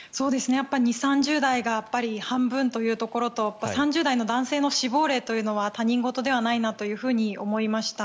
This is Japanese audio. やっぱり２０３０代が半分というところと３０代の男性の死亡例というのは他人事ではないなと思いました。